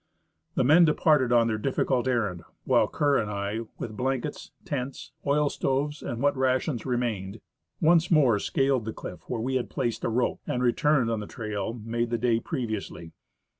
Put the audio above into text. The men departed on their difficult errand, while Kerr and I, with blankets, tents, oil stoves, and what rations remained, once more scaled the cliff where we had placed* a rope, and returned on the trail made the day previously.